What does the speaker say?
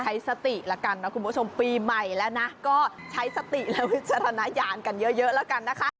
ใช้สติแล้วกันนะคุณผู้ชมปีใหม่แล้วนะก็ใช้สติและวิจารณญาณกันเยอะแล้วกันนะคะ